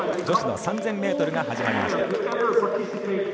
女子の３０００ｍが始まりました。